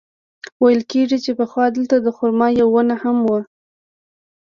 ویل کېږي چې پخوا دلته د خرما یوه ونه هم وه.